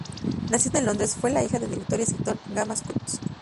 Nacida en Londres, fue la hija del director y escritor Graham Cutts.